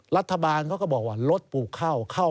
รัฐบาลเขาแนะบังว่ารถปลูกข้าว